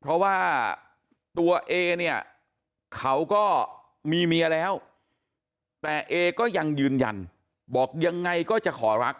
เพราะว่าตัวเอเนี่ยเขาก็มีเมียแล้วแต่เอก็ยังยืนยันบอกยังไงก็จะขอรัก